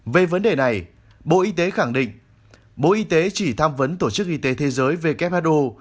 về vấn đề này bộ y tế khẳng định bộ y tế chỉ tham vấn tổ chức y tế thế giới who